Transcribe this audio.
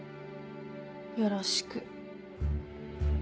よろしく。